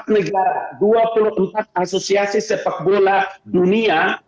empat negara dua puluh empat asosiasi sepak bola dunia